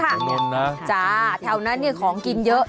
บางบัวทองนะจ้าแถวนั้นของกินเยอะ